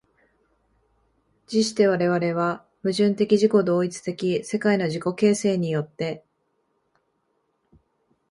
而して我々は矛盾的自己同一的世界の自己形成によって、